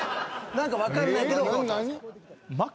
何か分かんないけど。